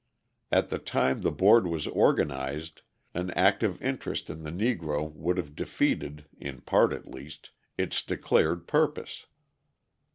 At the time the board was organised, an active interest in the Negro would have defeated, in part at least, its declared purpose.